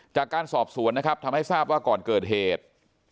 จากการสอบสวนนะครับทำให้ทราบว่าก่อนเกิดเหตุ